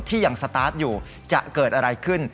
ยังสตาร์ทอยู่จะเกิดอะไรขึ้น